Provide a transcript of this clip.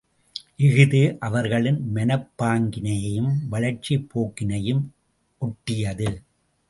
இஃது அவரவர்களின் மனப்பாங்கினையும் வளர்ச்சிப் போக்கினையும் ஒட்டியது.